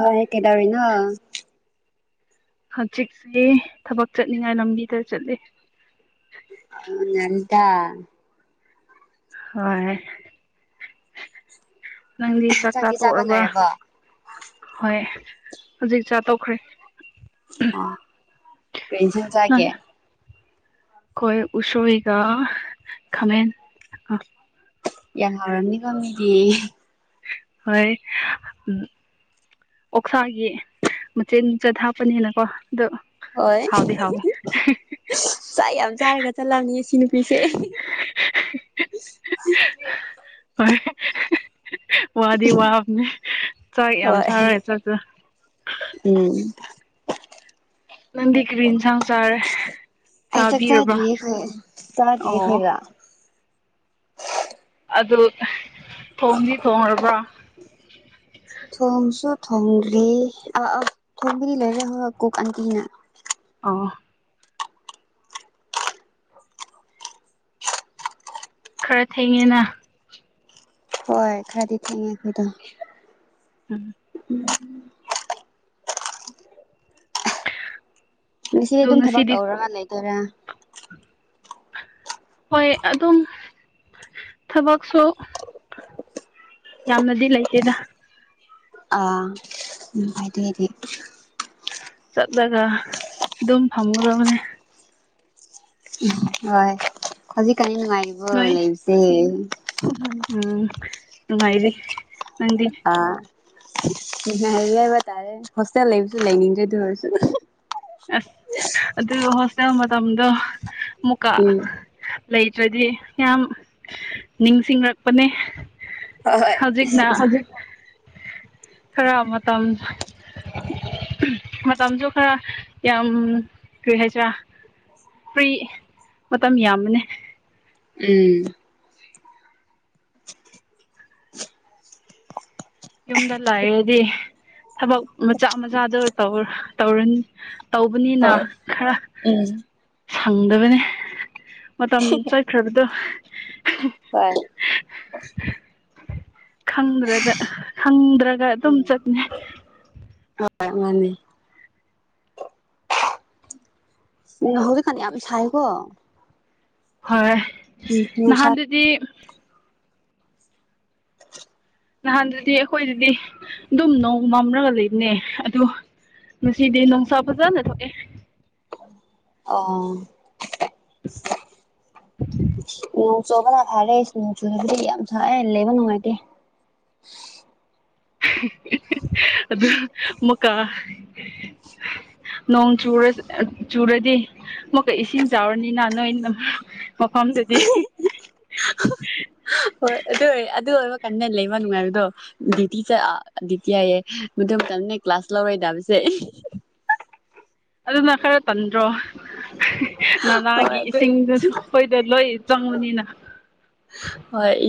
ꯑ ꯍꯦ ꯀꯗꯕꯔꯤꯅ ꯍꯧꯆꯛꯁꯦ ꯊꯕꯛ ꯆꯠꯅꯤꯡꯉꯥꯏ ꯂꯝꯕꯤꯗ ꯆꯠꯂꯦ ꯑ ꯅꯟꯗꯥ ꯍꯣꯏ ꯅꯪꯗꯤ ꯆꯥꯛ ꯆꯥ ꯆꯥꯛꯇꯤ ꯆꯥꯕ ꯇꯣꯛꯔꯕ꯭ꯔ ꯂꯣꯏꯔꯕꯣ ꯍꯣꯏ ꯍꯧꯖꯤꯛ ꯆꯥ ꯇꯧꯈ꯭ꯔꯦ ꯑ ꯀꯁ ꯅꯪ ꯆꯀꯦ ꯑꯩꯈꯣꯏ ꯎꯁꯣꯏꯒ ꯈꯃꯦꯟ ꯌꯥꯝ ꯍꯥꯎꯔꯝꯅꯤꯀ ꯃꯤꯗꯤ ꯍꯣꯏ ꯑꯣꯛꯁꯥꯒꯤ ꯃꯆꯦ ꯃꯆꯥ ꯊꯞꯄꯅꯤꯅꯀꯣ ꯍꯣꯏ ꯆꯥꯛ ꯌꯥꯝ ꯆꯥꯔꯒ ꯆꯠꯂꯝꯅꯤ ꯁꯤꯅꯤ ꯄꯤꯁꯦ ꯍꯣꯏ ꯋꯥꯗꯤ ꯋꯥꯕꯅꯦ ꯆꯥꯛ ꯌꯥꯝ ꯍꯣꯏ ꯁꯥꯔꯦ ꯆꯠ ꯎꯝ ꯅꯟ ꯀ꯭ꯔꯤꯟꯖ ꯆꯥꯔꯦ ꯑꯩ ꯆꯥꯛ ꯆꯥꯕꯤꯔꯕ꯭ꯔꯥ ꯆꯥꯗ꯭ꯔꯤꯌꯦ ꯑꯩꯈꯣꯏ ꯆꯥꯗ꯭ꯔꯤ ꯑꯣ ꯑꯩꯈꯣꯏꯔ ꯑꯗꯨ ꯊꯣꯡꯗꯤ ꯊꯣꯡꯉꯕ꯭ꯔꯥ ꯊꯣꯡꯒꯔꯤ ꯑ ꯊꯣꯡꯒꯔꯤ ꯂꯩꯔꯦ ꯍꯣꯏ ꯀꯣꯛ ꯀꯅ ꯑꯣ ꯈꯔ ꯊꯦꯡꯉꯦꯅ ꯍ ꯈꯥꯗꯤ ꯊꯈꯣꯏꯗ ꯎꯝ [inaudible] ꯉꯁꯤꯗꯤ ꯑꯗꯨꯝ ꯊꯕꯛ ꯇꯧꯔꯒ ꯂꯩꯗꯣꯏꯔꯥ ꯍꯣꯏ ꯑꯗꯨꯝ ꯊꯕꯛꯁꯨ ꯌꯥꯝꯅꯗꯤ ꯂꯩꯇꯦꯗ ꯑ ꯎ ꯍꯥꯏꯗꯤꯗꯤ ꯆꯠꯂꯒ ꯑꯗꯨꯝ ꯐꯝꯒꯗꯕꯅꯦ ꯍ ꯈꯖꯤ ꯀꯅꯤ ꯅꯉꯔꯤꯕ ꯂ ꯅꯣꯏ ꯂꯩꯁ ꯎꯝ ꯅꯨꯡꯉꯥꯏꯔꯤꯦ ꯅꯪꯗꯤ ꯕ ꯇꯔꯦ ꯍꯣꯁꯇꯦꯜ ꯂꯩꯁꯨ ꯂꯩꯅꯤꯖꯗꯤꯁ ꯑꯁ ꯑꯗꯨ ꯍꯣꯁꯇꯦꯜ ꯃꯇꯝꯗꯣ ꯃꯨꯛꯀ ꯎꯝ ꯂꯩ ꯅꯠꯇ꯭ꯔꯗꯤ ꯌꯥꯝ ꯅꯤꯡꯁꯤꯡꯉꯛꯄꯅꯦ ꯍꯣꯏ ꯍꯣꯏ ꯍꯧꯖꯤ ꯈꯔ ꯃꯇꯝ ꯃꯇꯝꯁꯨ ꯈꯔ ꯌꯥꯝ ꯀꯩ ꯍꯥꯏꯁꯔ ꯐ꯭ꯔꯤ ꯃꯇꯝ ꯌꯥꯝꯕꯅꯦ ꯎꯝ ꯌꯨꯝꯗ ꯂꯥꯛꯔꯗꯤ ꯊꯕꯛ ꯃꯆꯥ ꯃꯆꯥꯗꯣ ꯇꯧꯔꯅꯤ ꯇꯧꯕꯅꯤꯅ ꯍꯣꯏ ꯈꯔ ꯎꯝ ꯁꯪꯗꯕꯅꯤ ꯃꯇꯝ ꯆꯠꯈ꯭ꯔꯕꯗꯣ ꯍꯣꯏ ꯈꯪꯗ꯭ꯔꯗ ꯍꯪꯗ꯭ꯔꯒ ꯑꯗꯨꯝ ꯆꯠꯅꯦ ꯍ ꯃꯥꯅꯤ ꯎ ꯍꯧꯖꯤꯛꯀꯥꯟꯅꯤ ꯌꯥꯝ ꯁꯥꯏꯀꯣ ꯍꯣꯏ ꯎꯝ ꯅꯨꯡꯁꯥ ꯅꯍꯥꯟꯗꯨꯗꯤ ꯅꯍꯥꯟꯗꯨꯗꯤ ꯑꯩꯈꯣꯏꯗꯗꯤ ꯑꯗꯨꯝ ꯅꯣꯡ ꯃꯝꯂꯒ ꯂꯩꯕꯅꯦ ꯑꯗꯨ ꯉꯁꯤꯗꯤ ꯅꯨꯡꯁꯥ ꯐꯖꯅ ꯊꯣꯛꯑꯦ ꯑꯣ ꯎ ꯆꯣꯕꯅ ꯐꯔꯦ ꯅꯣꯡ ꯆꯨꯁꯨꯗꯤ ꯌꯥꯝ ꯊꯦ ꯂꯩꯕ ꯅꯨꯡꯉꯥꯏꯇꯦ ꯑꯗꯨ ꯃꯀꯥ ꯅꯣꯡ ꯆꯨꯔ ꯆꯨꯔꯗꯤ ꯑꯃꯨꯛꯀ ꯏꯁꯤꯡ ꯆꯥꯎꯔꯅꯤꯅ ꯅꯣꯏ ꯃꯐꯝꯗꯨꯗꯤ ꯍꯣꯏ ꯑꯗꯨ ꯑꯣꯏ ꯑꯗꯨ ꯑꯣꯏꯕ ꯀꯟꯅ ꯂꯩꯕ ꯅꯨꯡꯉꯥꯏꯕꯗꯣ ꯭ꯌꯇꯤ ꯆꯠ ꯗꯤꯌꯇꯤ ꯍꯥꯏꯌꯦ ꯃꯗꯨꯃ ꯅ ꯀ꯭ꯂꯥꯁ ꯂꯧꯔꯣꯏꯗꯅ ꯄꯁꯦ [inaudible] ꯑꯗꯨꯅ ꯈꯔ ꯇꯟꯗ꯭ꯔꯣ ꯍꯣꯏ ꯅꯅꯥꯒꯤ ꯑꯗꯨꯏ ꯏꯁꯤꯡꯗꯨꯁꯨ ꯑꯩꯈꯣꯏꯗ ꯂꯣꯏ ꯆꯪꯕꯅꯤꯅ ꯍ ꯏ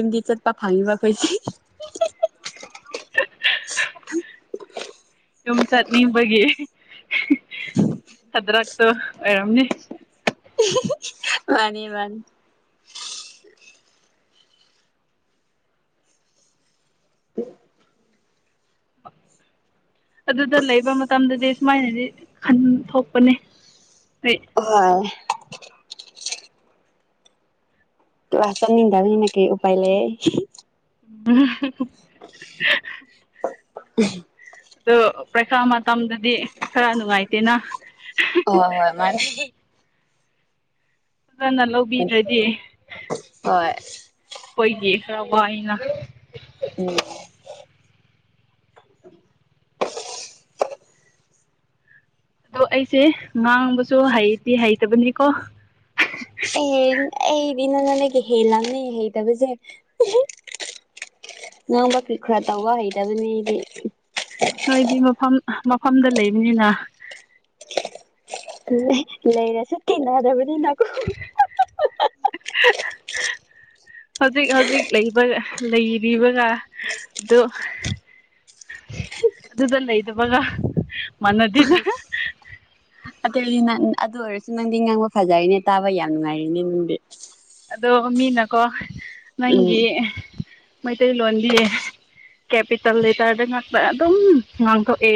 ꯏꯝꯗꯤ ꯆꯠ ꯄ ꯐꯥꯉꯕ ꯈꯣꯏꯁꯤ [inaudible] ꯌꯨꯝ ꯆꯠꯅꯤꯡꯕꯒꯤ ꯊꯥꯗ꯭ꯔꯛꯇꯣ ꯑꯣꯏꯔꯝꯅꯤ ꯃꯥꯅꯤ ꯃꯥꯅꯤ ꯍ ꯑ ꯑꯗꯨꯗ ꯂꯩꯕ ꯃꯇꯝꯗꯗꯤ ꯁꯨꯃꯥꯏꯅꯗꯤ ꯈꯟ ꯊꯣꯛꯄꯅꯤ ꯍꯣꯏ ꯀ ꯀ꯭ꯂꯥꯁꯅꯤꯗꯥ ꯍꯅ ꯀ ꯎꯥꯏ ꯂꯩ ꯎ [inaudible] ꯑꯗꯣ ꯄꯔꯤꯈꯥ ꯃꯇꯝꯗꯗꯤ ꯈꯔ ꯅꯨꯡꯉꯥꯏꯇꯦꯅ ꯍ ꯍꯣꯏ ꯃꯥꯔ ꯐꯖꯅ ꯂꯧꯕꯤꯗ꯭ꯔꯗꯤ ꯍꯣꯏ ꯑꯩꯏꯒꯤ ꯋꯥꯏꯅ ꯎꯝ ꯑꯗꯣ ꯑꯩꯁꯦ ꯉꯥꯡꯕꯁꯨ ꯍꯩꯇꯗꯤ ꯍꯩꯇꯕꯅꯤꯀꯣ ꯑꯦ ꯑꯩꯗꯤꯅ ꯅꯒ ꯍ ꯂꯂꯝꯅꯦ ꯍꯩ ꯇꯕꯁꯦ ꯉꯪꯕ ꯐ ꯈꯔ ꯇ ꯋꯥ ꯍꯗ ꯑꯗꯨꯅꯤꯗꯤ ꯅꯣꯏꯗꯤ ꯃꯐꯝ ꯃꯐꯝꯗ ꯂꯩꯕꯅꯤꯅ ꯂꯩꯔꯁ ꯀꯅꯗꯕ ꯍꯧꯖꯤꯛ ꯍꯧꯖꯤꯛ ꯂꯩꯕ ꯂꯩꯔꯤꯕꯒ ꯑꯗꯨ ꯑꯗꯨꯗ ꯂꯩꯗꯕꯒ ꯃꯥꯟꯅꯗꯅ ꯑꯇꯩꯗꯤ ꯅꯪ ꯑꯗꯨ ꯑꯣꯏꯔꯁꯨ ꯅꯪꯗꯤ ꯉꯥꯡꯕ ꯐꯖꯔꯤꯅꯦ ꯇꯥꯕ ꯌꯥꯝ ꯅꯨꯡꯉꯥꯏꯔꯤꯅꯦ ꯅꯗꯤ ꯑꯗꯣ ꯃꯤꯅꯀꯣ ꯎꯝ ꯅꯪꯒꯤ ꯃꯩꯇꯩꯂꯣꯟꯗꯤ ꯀꯦꯄꯤꯇꯦꯜ ꯂꯩꯇꯥꯔꯗꯤ ꯉꯥꯛꯇ ꯑꯗꯨꯝ ꯉꯥꯡꯊꯣꯛꯑꯦ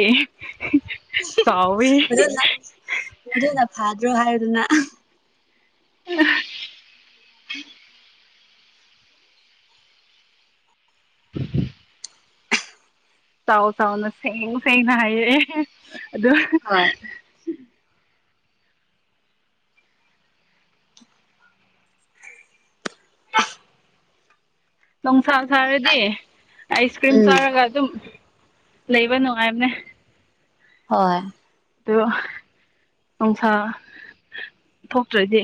ꯆꯥꯎꯋꯤ ꯑꯗꯨꯅ ꯃꯅ ꯐꯥꯗ꯭ꯔꯣ ꯍꯥꯏꯗꯨꯅ ꯑ ꯎꯝꯝ ꯆꯥꯎꯥꯎ ꯆꯥꯎꯥꯎꯅ ꯁꯦꯡ ꯁꯦꯡꯅ ꯍꯥꯏꯌꯦ ꯍꯣꯏ ꯂꯪ ꯁꯥ ꯁꯥꯔꯗꯤ ꯑꯥꯏꯁ ꯀ꯭ꯔꯤꯝ ꯎꯝ ꯆꯥꯔꯒ ꯑꯗꯨꯝ ꯂꯩꯕ ꯅꯨꯡꯉꯥꯏꯕꯅꯦ ꯍꯣꯏ ꯑꯣ ꯅꯨꯡꯁꯥ ꯊꯣꯛꯇ꯭ꯔꯗꯤ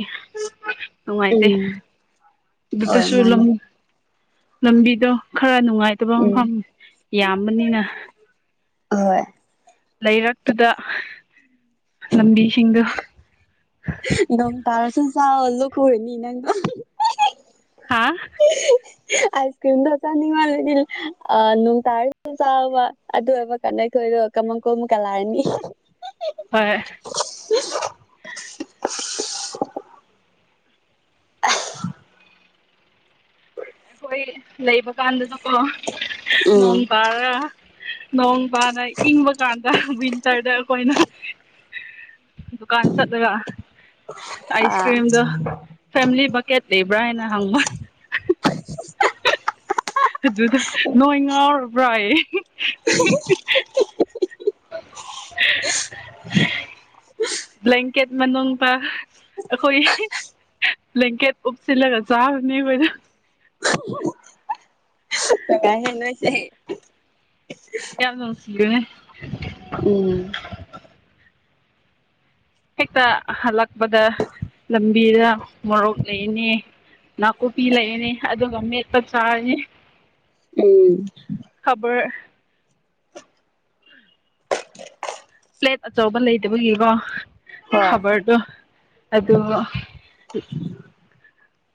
ꯅꯨꯡꯉꯥꯏꯇꯦ ꯎꯝ ꯍꯣꯏ ꯑꯗꯨꯗꯁꯨ ꯂꯝ ꯃꯥꯅꯦ ꯂꯝꯕꯤꯗꯣ ꯈꯔ ꯅꯨꯡꯉꯥꯏꯇꯕ ꯎꯝ ꯃꯐꯝ ꯌꯥꯝꯕꯅꯤꯅ ꯑꯍꯣꯏ ꯂꯩꯔꯛꯇꯨꯗ ꯂꯝꯕꯤꯁꯤꯡꯗꯣ ꯗꯝ ꯇꯥꯁꯨ ꯆꯥ ꯂꯣꯈꯣꯏꯅꯤꯅꯗꯣ ꯍꯥꯥ ꯑꯥꯏꯁ ꯀ꯭ꯔꯤꯝ ꯇ ꯆꯥꯅꯤꯃ ꯂꯤ ꯑ ꯅꯅꯨꯡ ꯇꯔ ꯆꯥꯕ ꯑꯗꯨ ꯑꯦꯕ ꯀꯥꯟꯩ ꯈꯔ ꯀꯥꯃ ꯑꯃ ꯀꯣ ꯃꯨ ꯀꯂꯥꯔꯅꯤ ꯍꯣꯏ [inaudible] [unintelligible] ꯑꯩꯈꯣꯏ ꯂꯩꯕ ꯀꯥꯟꯗꯁꯨꯀꯣ ꯎꯝ ꯅꯣꯡ ꯄꯥꯔꯒ ꯅꯣꯡ ꯅ ꯏꯪꯕ ꯀꯥꯟ ꯋꯤꯟꯇꯔꯗ ꯑꯩꯈꯣꯏꯅ ꯗꯨꯀꯥꯟ ꯆꯠꯂꯒ ꯑꯥꯏꯁ ꯑꯥ ꯀ꯭ꯔꯤꯝꯗꯣ ꯐꯦꯃꯤꯂꯤ ꯕꯛꯀꯦꯠ ꯂꯩꯕ꯭ꯔꯥ ꯍꯥꯏꯅ ꯍꯪꯕ ꯑꯗꯨꯗ ꯅꯣꯏ ꯉꯥꯎꯔꯕ꯭ꯔꯥ [unintelligible] ꯕ꯭ꯂꯦꯡꯀꯦꯠ ꯃꯅꯨꯡꯗ ꯑꯩꯈꯣꯏ ꯕ꯭ꯂꯦꯡꯀꯦꯠ ꯄꯨꯞꯁꯤꯜꯂꯒ ꯆꯥꯅꯤꯗ ꯀ ꯀ ꯍꯦꯅꯁ ꯌꯥꯔ ꯅꯁꯤꯗꯅꯦ ꯎꯝ ꯍꯦꯛꯇ ꯍꯜꯂꯛꯄꯗ ꯂꯝꯕꯤꯗ ꯃꯣꯔꯣꯛ ꯂꯩꯅꯤ ꯅꯥꯀꯨꯞꯄꯤ ꯂꯩꯔꯅꯤ ꯑꯗꯨꯒ ꯃꯦꯠꯄ ꯆꯥꯔꯅꯤ ꯎꯝ [unintelligible] ꯄ꯭ꯂꯦꯠ ꯑꯆꯧꯕ ꯂꯩꯇꯕꯒꯤꯀꯣ ꯍꯣꯏ ꯈꯕꯔꯗꯣ ꯑꯗꯨꯗ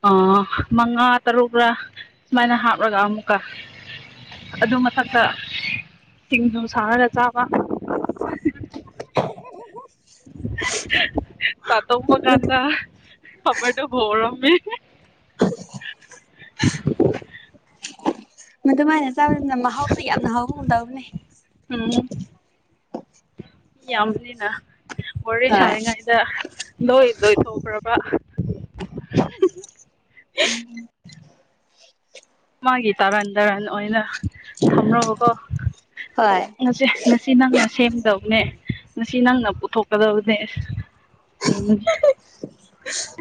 ꯑꯣ ꯃꯉꯥ ꯇꯔꯨꯛ ꯁꯨꯃꯥꯏꯅ ꯍꯥꯞꯂꯒ ꯑꯃꯨꯛꯀ ꯑꯗꯨ ꯃꯊꯛꯇ ꯁꯤꯡꯖꯨ ꯁꯥꯔꯒ ꯆꯥꯕ [unintelligible] ꯆꯗꯝꯕ ꯀꯥꯟꯗ ꯈꯕꯔꯗ ꯔꯝꯃꯦ ꯃꯃꯥꯏꯅ ꯆꯥꯕꯗꯨꯅ ꯃꯍꯥꯎꯁꯨ ꯌꯥꯝꯅ ꯍꯥꯎꯍꯣꯡꯗꯕꯅꯦ ꯎꯝ ꯌꯥꯝꯕꯅꯤꯅ ꯋꯥꯣꯔꯦ ꯍꯣꯏ ꯁꯥꯔꯤꯉꯩꯗ ꯂꯣꯏ ꯂꯣꯏ ꯊꯣꯛꯣꯛꯈ꯭ꯔꯕ ꯃꯥꯒꯤ ꯇꯔꯟ ꯇꯔꯟ ꯑꯣꯏꯅ ꯊꯝꯂꯣꯕꯀꯣ ꯍꯣꯏ ꯉꯁꯦ ꯉꯁꯤ ꯅꯪꯅꯁꯤ ꯁꯦꯝꯒꯗꯕꯅꯦ ꯉꯁꯤ ꯅꯪꯅ ꯄꯨꯊꯣꯛꯀꯗꯕꯅꯦ ꯁꯦꯝꯃꯅꯦꯦ [unintelligible]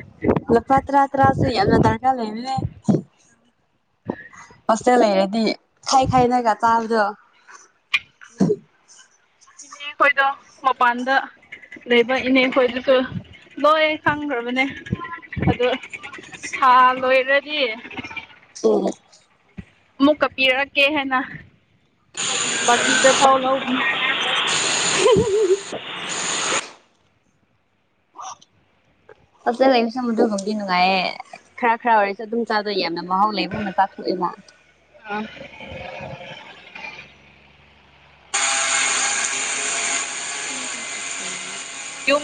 ꯂꯨꯄꯥ ꯍ ꯍꯣꯁꯇꯦꯜ ꯂꯩꯔꯗꯤ ꯈꯥꯏ ꯈꯥꯏꯅꯒ ꯆꯥꯕꯗꯣ ꯎꯝ ꯏꯅꯦ ꯈꯣꯏꯗꯣ ꯃꯄꯥꯟꯗ ꯂꯩꯕ ꯏꯅꯦ ꯈꯣꯏꯗꯨꯁꯨ ꯂꯣꯏ ꯈꯪꯈ꯭ꯔꯕꯅꯦ ꯑꯗ ꯍꯥꯥ ꯂꯣꯏꯔꯗꯤ ꯎ ꯑꯃꯨꯛ ꯀꯛꯄꯤꯔꯛꯀꯦ ꯍꯥꯏꯅ ꯕꯥꯀꯤꯗ ꯐꯥꯎ ꯂꯧꯕꯅꯦ [unintelligible] ꯐꯖꯅ ꯂꯩ ꯁꯗꯨꯒꯨꯝꯗꯤ ꯅꯨꯡꯉꯥꯏꯌꯦꯦ ꯈꯔ ꯈꯔ ꯑꯣꯏꯔꯁꯨ ꯑꯗꯨꯝ ꯆꯥꯗꯣꯏ ꯌꯥꯝ ꯃꯍꯥꯎ ꯂꯩꯕꯨꯅ ꯆꯥꯛꯂꯗ [unintelligible] ꯌꯨꯝ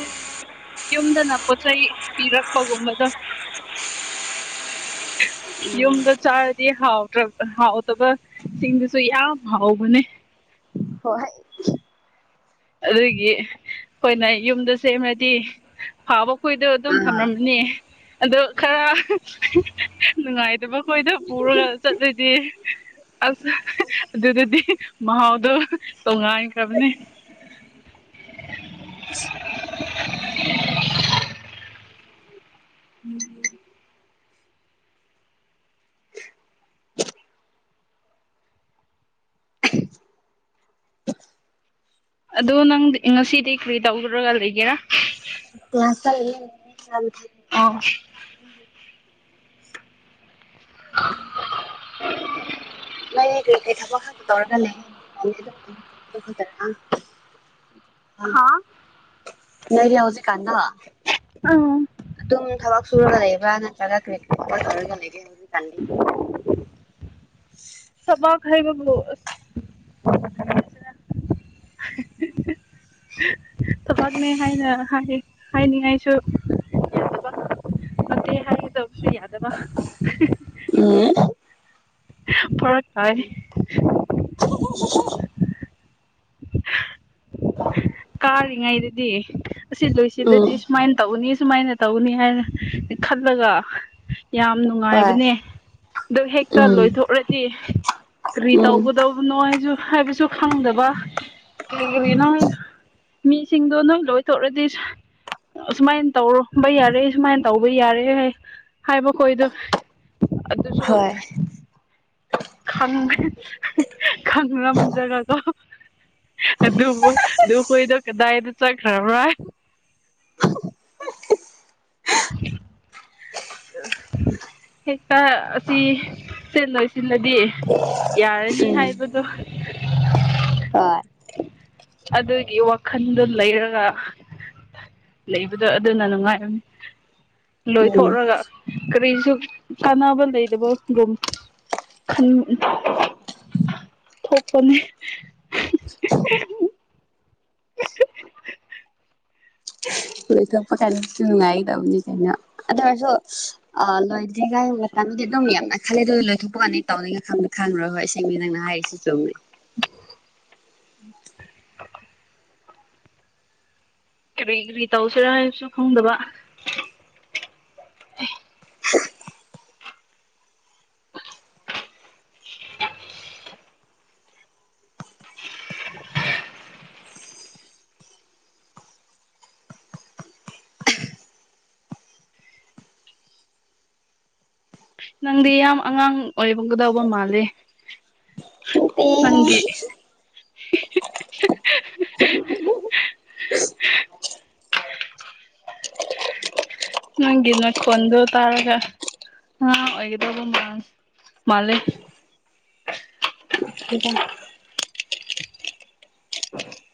ꯌꯨꯝꯗꯅ ꯄꯣꯠ ꯆꯩꯩ ꯄꯤꯔꯛꯄꯒꯨꯝꯕꯗꯣ [unintelligible] ꯌꯨꯝꯗ ꯆꯥꯔꯗꯤ ꯍꯥꯎ꯭ꯔ ꯍꯥꯎꯗꯕ ꯁꯤꯡꯗꯨꯁꯨ ꯌꯥꯝ ꯍꯥꯎꯕꯅꯦ ꯍ ꯍꯥꯏ ꯑꯗꯨꯗꯒꯤ ꯑꯩꯈꯣꯏꯅ ꯌꯨꯝꯗ ꯁꯦꯝꯃꯗꯤ ꯐꯥꯕ ꯍꯨꯏꯗꯣ ꯑꯗꯨꯝ ꯑꯥ ꯊꯝꯂꯝꯝꯅꯤ ꯑꯗꯣ ꯈꯔ ꯅꯨꯡꯉꯥꯏꯇꯕ ꯈꯣꯏꯗ ꯄꯨꯔꯒ ꯆꯠꯂꯗꯤ ꯑꯁ ꯑꯗꯨꯗꯗꯤ ꯃꯍꯥꯎꯗꯣ ꯇꯣꯉꯥꯟꯈ꯭ꯔꯕꯅꯦ [unintelligible] ꯑꯗꯣ ꯅꯪꯗꯤ ꯉꯁꯤꯗꯤ ꯀꯔꯤ ꯇꯧꯔꯒ ꯂꯩꯒꯦꯔꯥ ꯏ [unintelligible] ꯑ ꯎꯝ [unintelligible] [unintelligible] ꯅꯪꯗꯤ ꯀꯩ ꯀꯩ ꯊꯥꯕꯛ ꯈꯛꯇ ꯇꯧꯔꯒꯂꯩ ꯍꯧꯖꯤꯛꯀꯥꯟꯗꯤ ꯑꯗꯨꯝ ꯊꯥꯕꯛ ꯆꯠꯄꯗꯣ ꯈꯛꯇꯔ ꯍꯥꯥ ꯅꯪꯒꯤ ꯍꯧꯖꯤꯛ ꯀꯥꯟꯗꯣ ꯑ [unintelligible] ꯁꯨꯔꯒ ꯂꯩꯕꯔ ꯅꯠꯇ꯭ꯔꯒ ꯀꯥꯔꯤ- ꯀꯥꯔꯤ ꯍꯣꯠꯅꯔꯒ ꯂꯩꯒꯦ ꯍꯧꯖꯤꯛꯀꯥꯟꯗꯤ ꯊꯥꯕꯛ ꯍꯥꯏꯕꯕꯨ ꯑꯁ ꯎꯝ [unintelligible] ꯊꯥꯕꯛꯅꯦ ꯍꯥꯏꯅ ꯍꯥꯏ ꯍꯥꯏꯅꯤꯡꯉꯥꯏꯁꯨ ꯇꯧꯗꯦ ꯍꯥꯏꯒꯗꯕꯁꯨ ꯌꯥꯗꯕ ꯎꯝ ꯐꯥꯔꯛ ꯇꯥꯏꯌꯦ ꯀꯥꯔꯤꯉꯩꯗꯗꯤ ꯑꯁꯤ ꯎꯝ ꯂꯣꯏꯁꯤꯜꯂꯗꯤ ꯁꯨꯃꯥꯏꯅ ꯇꯧꯒꯅꯤꯁꯦ ꯁꯨꯃꯥꯏꯅ ꯇꯧꯅꯤ ꯍꯥꯏꯅ ꯈꯜꯂꯒ ꯌꯥꯝ ꯍꯣꯏ ꯅꯨꯡꯉꯥꯏꯕꯅꯦ ꯑꯗꯨ ꯍꯦꯛꯇ ꯎꯝ ꯂꯣꯏꯊꯣꯛꯂꯗꯤ ꯀꯔꯤ ꯎꯝ ꯇꯧꯒꯗꯥꯕꯅꯣ ꯍꯥꯏꯁꯨ ꯍꯥꯏꯕꯁꯨ ꯈꯪꯗꯕ ꯀꯥꯔꯤꯒꯤꯅꯣ ꯃꯤꯁꯤꯡꯗꯣ ꯂꯣꯏ ꯂꯣꯏꯊꯣꯛꯔꯗꯤ ꯑꯁꯨꯃꯥꯏꯅ ꯇꯧꯔꯝꯕ ꯌꯥꯔꯦ ꯁꯨꯃꯥꯏꯅ ꯇꯧꯕ ꯌꯥꯔꯦ ꯍꯥꯏꯕ ꯈꯣꯏꯗꯣ ꯑꯗꯨꯁꯨ ꯍꯣꯏ ꯈꯪꯗꯦ ꯈꯪꯉꯝꯗꯔꯒ ꯑꯗꯨꯕꯨ ꯑꯗꯨ ꯈꯣꯏꯗꯣ ꯀꯗꯥꯏꯗ ꯆꯠꯈ꯭ꯔꯕ꯭ꯔꯥ ꯍꯥꯏ [inaudible] [unintelligible] ꯑ [unintelligible] ꯍꯦꯛꯇ ꯑꯁꯤ ꯁꯤ ꯂꯣꯏꯁꯤꯜꯂꯗꯤ ꯌꯥꯔꯅꯤ ꯎꯝ ꯍꯥꯏꯕꯗꯣ ꯍꯣꯏ [unintelligible] ꯑꯗꯨꯒꯤ ꯋꯥꯈꯜꯗꯨ ꯂꯩꯔꯒ ꯂꯩꯕꯗꯣ ꯑꯗꯨꯅ ꯅꯨꯡꯉꯥꯏꯔꯝꯅꯤ ꯎꯝ ꯂꯣꯏꯊꯣꯛꯂꯒ ꯀꯥꯔꯤꯁꯨ ꯀꯥꯟꯅꯕ ꯂꯩꯇꯕꯒꯨꯝ ꯈꯟ ꯊꯣꯛꯄꯅꯦ ꯂꯣꯏꯊꯣꯛꯄ ꯀꯥꯟꯗꯁꯨ ꯅꯨꯡꯉꯥꯏꯒꯗꯧꯕꯅꯦ ꯀꯩꯅꯣ ꯑꯗꯨ ꯑꯣꯏꯔꯁꯨ ꯑ ꯂꯣꯏꯗ꯭ꯔꯤꯉꯥꯏ ꯃꯇꯝ ꯗꯤ ꯑꯗꯨꯝ ꯌꯥꯝꯅ ꯈꯜꯂꯦ ꯑꯗꯨ ꯂꯣꯏꯊꯣꯛꯄ ꯀꯥꯟꯗꯤ ꯇꯧꯅꯤꯡꯉꯥꯏ ꯈꯪ ꯈꯪ ꯉꯥꯔꯣꯏ ꯍꯣꯏ ꯁꯦꯡꯀꯤ ꯅꯪꯅ ꯍꯥꯏꯔꯤꯁꯦ ꯆꯨꯝꯃꯦ [unintelligible] ꯀꯔꯤ ꯀꯔꯤ ꯇꯧꯁꯤꯔꯥ ꯍꯥꯏꯕꯁꯨ ꯈꯪꯗꯕ [unintelligible] [unintelligible] ꯅꯪꯗꯤ ꯌꯥꯝ ꯑꯉꯥꯡ ꯑꯣꯏꯔꯝꯒꯗꯧꯕ ꯃꯥꯜꯂꯦ ꯅꯪꯒꯤ ꯑ [unintelligible] [unintelligible] ꯅꯪꯒꯤ ꯅꯥꯈꯣꯟꯗꯣ ꯇꯥꯔꯒ ꯑꯉꯥꯡ ꯑꯣꯏꯒꯗꯧꯕ ꯃꯥꯜꯂꯦ ꯍꯗ [unintelligible] ꯑ [unintelligible]